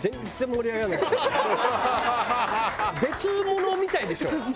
別物みたいでしょ。